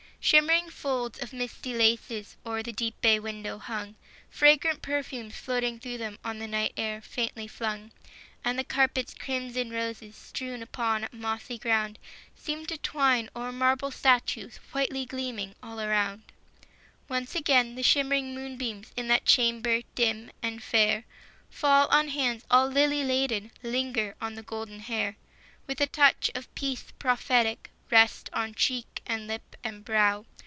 Shimmering folds of misty laces O'er the deep bay window hung ; Fragrant perfumes floating through them On the night air faintly flung. And the carpet's crimson roses Strewn upon a mossy ground Seemed to twine o'er marble statues, Whitely gleaming, all around. 82 TWO EVENINGS. III. Once again the shimmering moonbeams, In that chamber dim and fair, Fall on hands all lily laden, Linger on the golden hair ; With a touch of peace prophetic Rest on cheek, and lip, and brow.